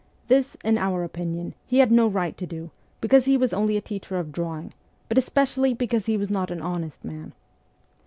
This, in our opinion, he had no right to do, because he was only a teacher of drawing, but especially because he was not an honest man.